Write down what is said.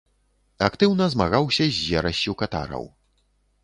Актыўна змагаўся з ерассю катараў.